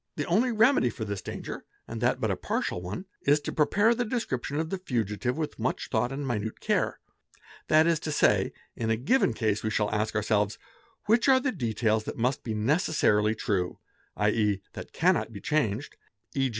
The only remedy — for this danger, and that but a partial one, is to prepare the description — of the fugitive with much thought and minute care; that is to say, ina given case, we shall ask ourselves—which are the details that must be — necessarily true ?z.e., that cannot be changed, e.